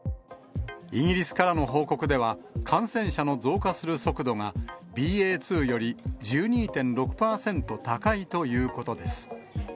イギリスからの報告では、感染者の増加する速度がＢＡ．２より１２．６％高いということです。